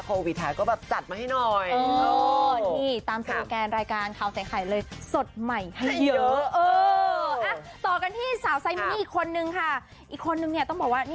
โควิดไทยก็แบบจัดมาให้หน่อยอ๋อ